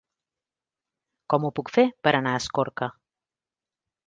Com ho puc fer per anar a Escorca?